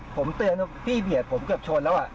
ผมเตือนพี่เห็นผมเกือบชนแล้ว